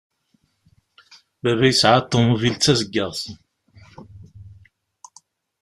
Baba yesɛa ṭumubil d tazeggaɣt.